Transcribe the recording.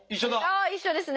ああ一緒ですね。